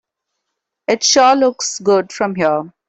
It sure looks good from here.